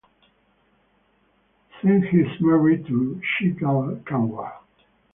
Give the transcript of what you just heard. Singh is married to Sheetal Kanwar.